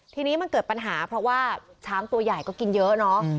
ทีนี้มันเกิดปัญหาเพราะว่าช้างตัวใหญ่ก็กินเยอะเนาะ